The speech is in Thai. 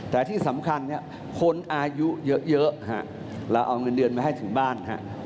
แต่ที่สำคัญคนอายุเยอะเราเอาเงินเดือนมาให้ถึงบ้าน